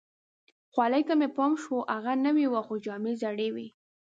خولۍ ته مې پام شو، هغه نوې وه، خو جامې زړې وي.